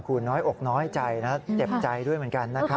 คุณน้อยอกน้อยใจนะเจ็บใจด้วยเหมือนกันนะครับ